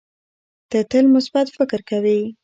ته تل مثبت فکر کوې.